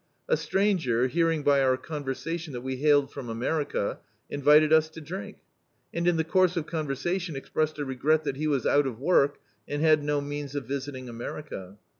A stranger, bearing by our conversation that we hailed from America, ' invited us to drink; and in the course of conversa tion expressed a regret that he was out of work, and had no means of visiting America.